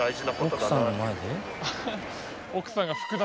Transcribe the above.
奥さんの前で？